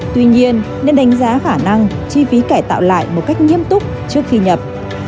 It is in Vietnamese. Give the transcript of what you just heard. tuy nhiên nên đánh giá khả năng chi phí cải tạo lại một cách nghiêm túc trước khi nhập